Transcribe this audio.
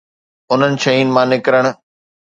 انهن شين مان نڪرڻ.